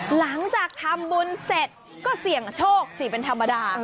หลังจากทำบุญเสร็จก็เสี่ยงโชคสิเป็นธรรมดา